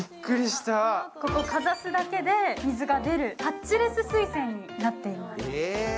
ここ、かざすだけで水が出る、タッチレス水栓になってます。